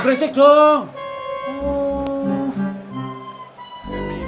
bos dia kundi